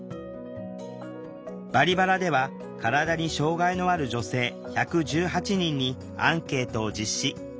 「バリバラ」では体に障害のある女性１１８人にアンケートを実施。